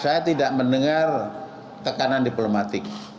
saya tidak mendengar tekanan diplomatik